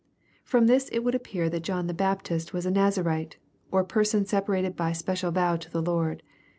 '] Prom this it would ap pear that John the Baptist was a Nazarite, or person separated by special vow to the Lord.